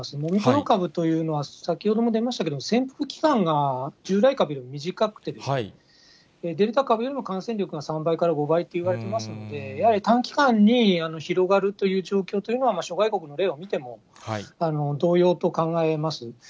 オミクロン株というのは先ほども出ましたけれども、潜伏期間が従来株より短くて、デルタ株よりも感染力が３倍から５倍といわれてますので、やはり短期間に広がるという状況というのは、諸外国の例を見ても、同様と考えます。